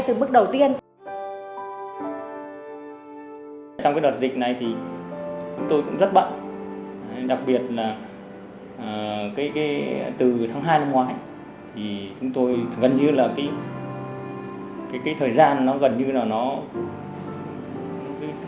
chúng tôi cũng rất bận đặc biệt là từ tháng hai năm ngoái thì chúng tôi ít khi được nghỉ